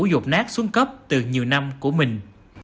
dột nát xuống cấp từ nhiều năm của mình